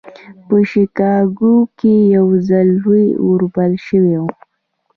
په شيکاګو کې يو ځل لوی اور بل شوی و.